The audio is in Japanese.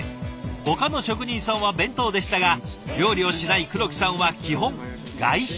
ほかの職人さんは弁当でしたが料理をしない黒木さんは基本外食。